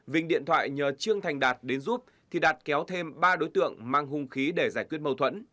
vinh điện thoại nhờ trương thành đạt đến giúp thì đạt kéo thêm ba đối tượng mang hung khí để giải quyết mâu thuẫn